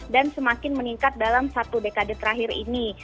dan semakin meningkat dalam satu dekade terakhir ini